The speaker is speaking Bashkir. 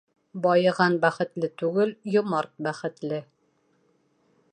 Байыған бәхетле түгел, йомарт бәхетле.